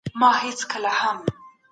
ماشوم سبق زده کړی دی.